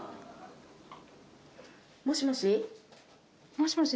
もしもし。